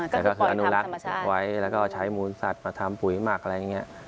แต่ก็คืออนุรักษ์ไว้แล้วก็ใช้มูลสัตว์มาทำปุ๋ยหมักอะไรอย่างนี้